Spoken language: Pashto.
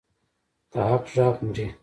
د حق غږ مري؟